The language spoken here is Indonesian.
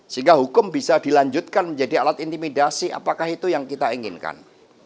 sehingga hukum bisa dilanjutkan menjadi alat intimidasi apakah itu yang kita inginkan